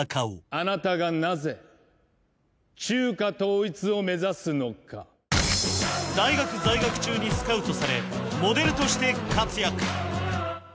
あなたがなぜ中華統一を目指すのか大学在学中にスカウトされモデルとして活躍